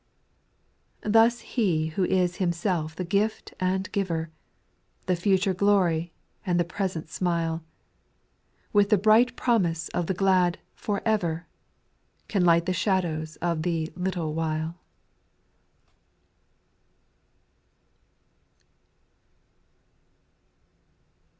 7. Thus He who is Himself the gift and giver, The future glory, and the present smile, With the bright promise of the glad " for ever," Can light the shadows of the " little while."